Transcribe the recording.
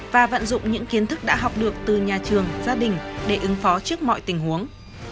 và vận dụng những kiến thức đã học được từ nhà trường gia đình để ứng phó trước mọi tình huống